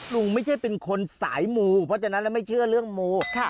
ลุงไม่ใช่เป็นคนสายมูเพราะฉะนั้นแล้วไม่เชื่อเรื่องมู